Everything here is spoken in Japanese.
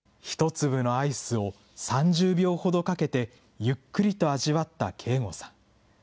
１粒のアイスを３０秒ほどかけて、ゆっくりと味わった圭吾さん。